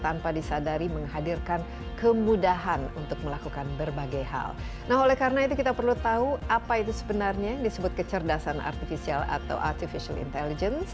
nah oleh karena itu kita perlu tahu apa itu sebenarnya yang disebut kecerdasan artifisial atau artificial intelligence